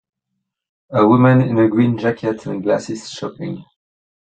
A woman in a green jacket and glasses shopping.